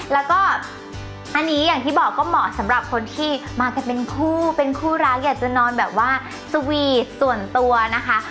แล้วก็อันนี้อย่างที่บอกก็เหมาะสำหรับคนที่มากันเป็นคู่เป็นคู่รักอยากจะนอนแบบว่าสวีทส่วนตัวนะคะ